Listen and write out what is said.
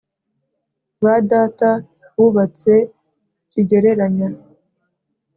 ba data bubatse kigereranya